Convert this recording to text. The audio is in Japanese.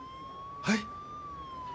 はい？